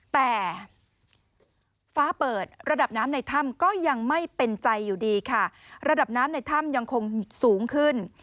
แต่ฟ้าเปิดระดับน้ำในถ้ำก็ยังไม่เป็นใจอยู่ดีค่ะระดับน้ำในถ้ำยังคงสูงขึ้น